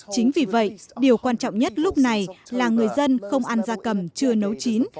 chính vì vậy điều quan trọng nhất lúc này là người dân không ăn da cầm chưa nấu chín